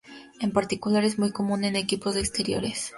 En particular, es muy común en equipos de exteriores.